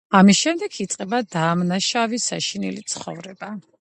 ამის შემდეგ იწყება დამნაშავის საშინელი ცხოვრება.